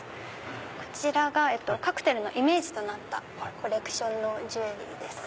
こちらがカクテルのイメージとなったコレクションのジュエリーです。